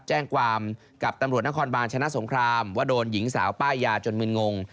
แจ้งความกับตำรวจนครบาลชนะสงครามว่าโดนหญิงสาวป้ายยาจนมึนงง